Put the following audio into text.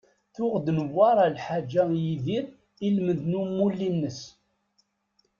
Tuɣ-d Newwara lḥaǧa i Yidir ilmend n umulli-s.